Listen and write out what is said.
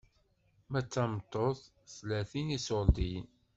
Ma d tameṭṭut, tlatin n iṣurdiyen.